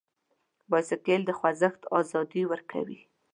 بایسکل د خوځښت ازادي ورکوي.